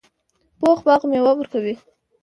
پوخ باغ میوه ورکوي